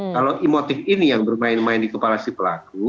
kalau motif ini yang bermain main di kepala si pelaku